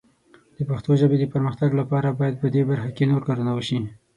د پښتو ژبې د پرمختګ لپاره باید په دې برخه کې نور کارونه وشي.